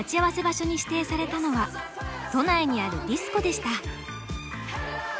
場所に指定されたのは都内にあるディスコでした。